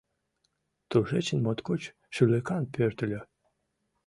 Тушечын моткоч шӱлыкан пӧртыльӧ.